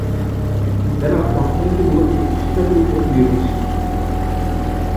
জেলার অর্থনীতি মূলত কৃষিকাজের উপর নির্ভরশীল।